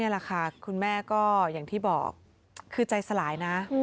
แหละค่ะคุณแม่ก็อย่างที่บอกคือใจสลายนะ